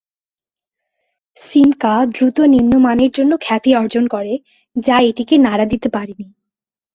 সিমকা দ্রুত নিম্ন মানের জন্য খ্যাতি অর্জন করে, যা এটিকে নাড়া দিতে পারেনি।